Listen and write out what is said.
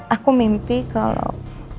aku mimpi kalau